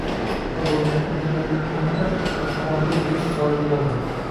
Nima bo‘lganini anglab yetgunimcha, Qahramon lip etib g‘oyib bo‘ldi.